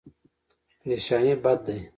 پریشاني بد دی.